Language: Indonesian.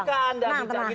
ini tiga anda bicara gini